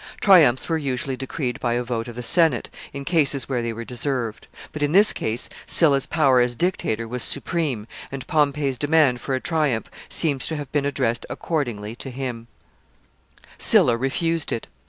Triumphs were usually decreed by a vote of the Senate, in cases where they were deserved; but, in this case, Sylla's power as dictator was supreme, and Pompey's demand for a triumph seems to have been addressed accordingly to him. [Sidenote: Sylla refuses Pompey a triumph.] Sylla refused it.